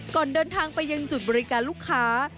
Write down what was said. ก่อนเดินทางไปยังจุดบริการลูกค้า